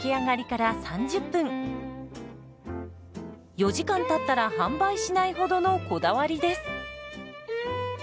４時間たったら販売しないほどのこだわりです。